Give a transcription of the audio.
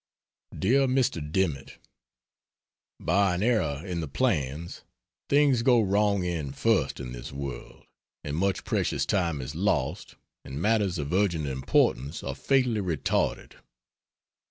DEAR MR. DIMMITT, By an error in the plans, things go wrong end first in this world, and much precious time is lost and matters of urgent importance are fatally retarded.